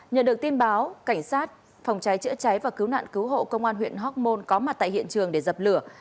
nhận được tin báo cảnh sát phòng cháy chữa cháy và cứu nạn cứu hộ công an huyện hóc môn có mặt tại hiện trường để dập lửa